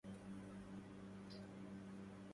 رب لحن سرى مع النسمات